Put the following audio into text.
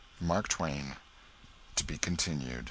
MARK TWAIN. (_To be Continued.